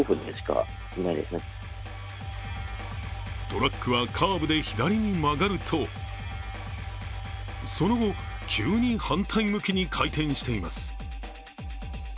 トラックはカーブで左に曲がると、その後急に反対向きに回転しています。